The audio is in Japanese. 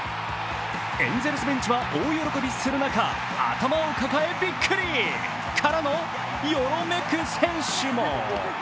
エンゼルスベンチは大喜びする中、頭を抱えビックリからのよろめく選手も。